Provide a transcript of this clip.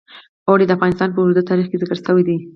اوړي د افغانستان په اوږده تاریخ کې ذکر شوی دی.